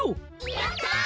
やった！